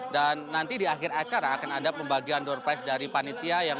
dan nanti di akhir acara akan ada pembagian door price dari panitia yang berharga